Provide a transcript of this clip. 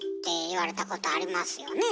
言われたことありますよね？